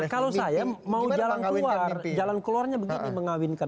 kalau saya mau jalan keluar jalan keluarnya begini mengawinkan